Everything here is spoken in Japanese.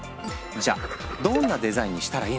じゃあどんなデザインにしたらいいのか。